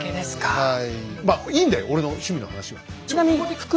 はい。